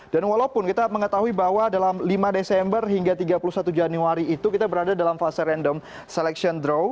walaupun kita mengetahui bahwa dalam lima desember hingga tiga puluh satu januari itu kita berada dalam fase random selection draw